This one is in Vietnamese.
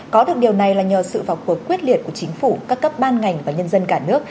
có được điều này là nhờ sự vào cuộc quyết liệt của chính phủ các cấp ban ngành và nhân dân cả nước